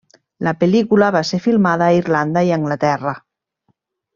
La pel·lícula va ser filmada a Irlanda i a Anglaterra.